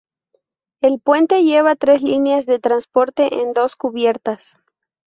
El puente lleva tres líneas de transporte en dos cubiertas.